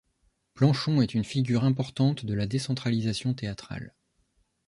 Planchon est une figure importante de la décentralisation théâtrale.